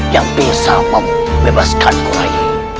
yang bisa membebaskanku rai